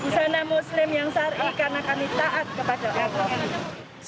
kami bercadar kami pakai busana muslim yang sari karena kami taat kepada allah